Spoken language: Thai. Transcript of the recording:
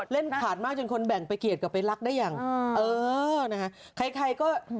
เล่นขาดมากจนคนแบ่งไปเกียรติกับไปรักได้อย่างเออนะฮะใครใครก็